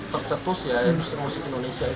tercetus ya industri musik indonesia